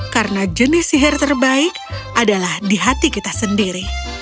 karena jenis sihir terbaik adalah di hati kita sendiri